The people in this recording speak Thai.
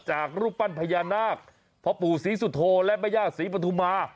รูปปั้นพญานาคพ่อปู่ศรีสุโธและแม่ย่าศรีปฐุมา